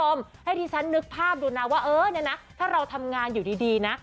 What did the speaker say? ทุ่มให้ฉันนึกภาพดูนะงั้นนะถ้าเราทำงานอยู่ดีนะ